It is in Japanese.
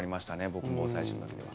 僕も最初の時では。